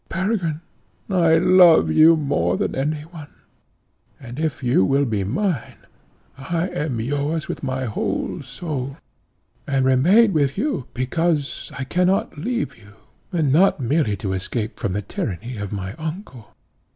Peregrine, I love you more than any one, and, if you will be mine, I am yours with my whole soul, and remain with you because I cannot leave you, and not merely to escape from the tyranny of my uncle."